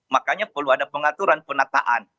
makanya perlu ada pengaturan penataan